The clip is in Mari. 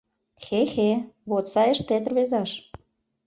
— Хе-хе, вот сай ыштет, рвезаш!